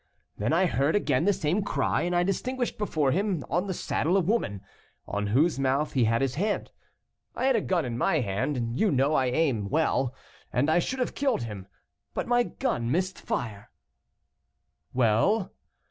Then I heard again the same cry, and I distinguished before him on the saddle a woman, on whose mouth he had his hand. I had a gun in my hand you know I aim well, and I should have killed him, but my gun missed fire." "Well?"